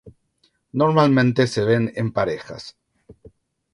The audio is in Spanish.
Normalmente se ven en parejas.